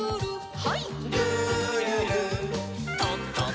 はい。